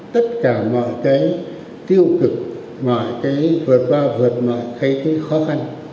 tất cả mọi cái tiêu cực mọi cái vượt bao vượt mọi cái khó khăn